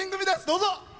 どうぞ。